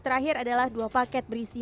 terakhir adalah dua paket berisi